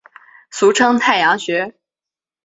俗称太阳穴。